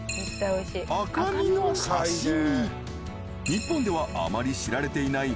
［日本ではあまり知られていない］